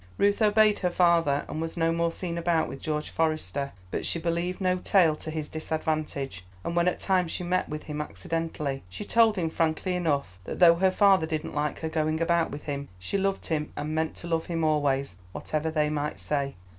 Ruth obeyed her father, and was no more seen about with George Forester; but she believed no tale to his disadvantage, and when at times she met with him accidentally, she told him frankly enough that though her father didn't like her going about with him, she loved him and meant to love him always, whatever they might say.